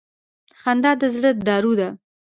• خندا د زړه دارو ده.